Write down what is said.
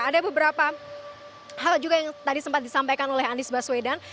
ada beberapa hal juga yang tadi sempat disampaikan oleh anies baswedan